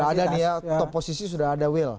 tidak ada nih ya top posisi sudah ada will